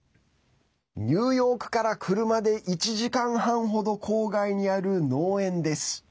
ニューヨークから車で１時間半ほど郊外にある農園です。